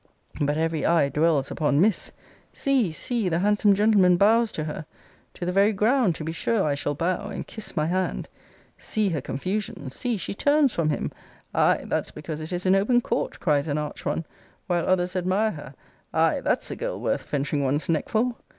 But every eye dwells upon Miss! See, see, the handsome gentleman bows to her! To the very ground, to be sure, I shall bow; and kiss my hand. See her confusion! see! she turns from him! Ay! that's because it is in open court, cries an arch one! While others admire her Ay! that's a girl worth venturing one's neck for!